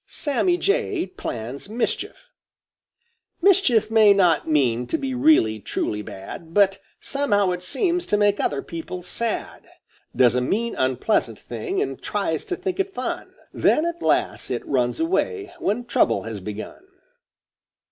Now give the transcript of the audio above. SAMMY JAY PLANS MISCHIEF Mischief may not mean to be really truly bad, But somehow it seems to make other people sad; Does a mean unpleasant thing and tries to think it fun; Then, alas, it runs away when trouble has begun.